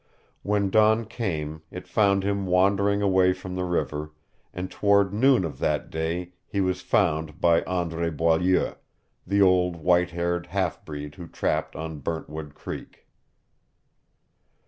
When dawn came, it found him wandering away from the river, and toward noon of that day, he was found by Andre Boileau, the old white haired half breed who trapped on Burntwood Creek.